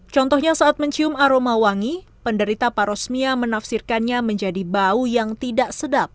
contohnya saat mencium aroma wangi penderita parosmia menafsirkannya menjadi bau yang tidak sedap